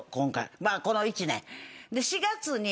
まあこの１年。